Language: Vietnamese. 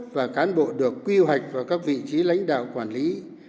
và cán bộ được quy hoạch vào các vị trí lãnh đạo quản lý